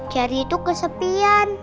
cherry tuh kesepian